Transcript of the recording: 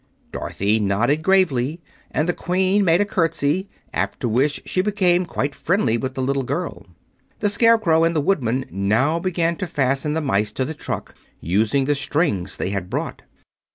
Dorothy nodded gravely and the Queen made a curtsy, after which she became quite friendly with the little girl. The Scarecrow and the Woodman now began to fasten the mice to the truck, using the strings they had brought.